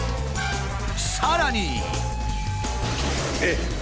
さらに。